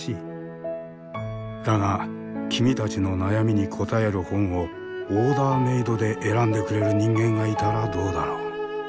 だが君たちの悩みに答える本をオーダーメードで選んでくれる人間がいたらどうだろう？